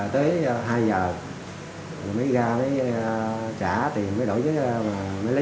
tới chiều tới hai giờ mới ra mới trả tiền mới lấy vé số